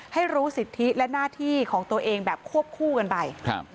ให้รู้สิทธิและหน้าที่ของตัวเองแบบควบคู่กันไปครับ